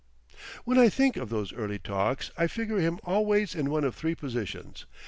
When I think of those early talks, I figure him always in one of three positions.